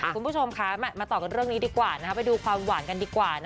คุณผู้ชมคะมาต่อกันเรื่องนี้ดีกว่าไปดูความหวานกันดีกว่า